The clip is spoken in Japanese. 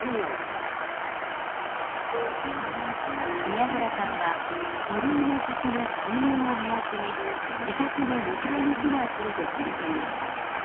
宮原さんは鳥居の先の水面を目安に自宅の２階に避難すると決めていました。